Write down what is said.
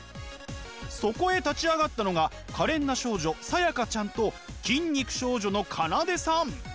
そこへ立ち上がったのが可憐な少女さやかちゃんと筋肉少女の奏さん。